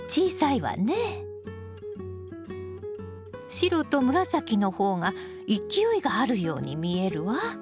白と紫の方が勢いがあるように見えるわ。